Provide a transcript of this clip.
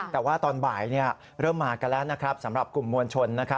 แต่ว่าตอนบ่ายเริ่มมากันแล้วนะครับสำหรับกลุ่มมวลชน